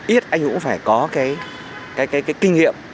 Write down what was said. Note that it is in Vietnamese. ít anh cũng phải có cái kinh nghiệm